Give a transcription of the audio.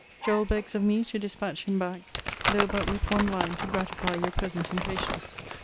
Joel begs of me to dispatch him back, though but with one line to gratify your present impatience.